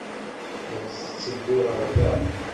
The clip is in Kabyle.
La d-tetteddu ɣer da?